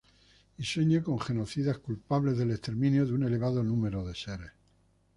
Y sueña con genocidas, culpables del exterminio de un elevado número de seres.